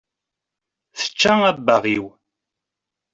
Tečča abbaɣ-iw